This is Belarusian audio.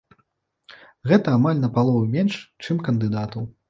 Гэта амаль на палову менш, чым кандыдатаў.